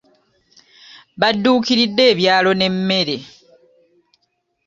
Badduukiridde ebyalo n'emmere.